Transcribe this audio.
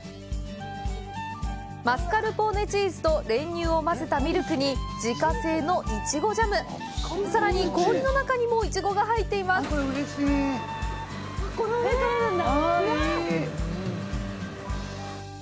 マスカルポーネチーズと練乳を混ぜたミルクに自家製のいちごジャムさらに氷の中にもいちごが入っていますであとに何？